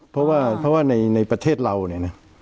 เพราะว่าในประเทศเราเนี่ยนะ